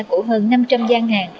của hơn năm trăm linh gia ngàn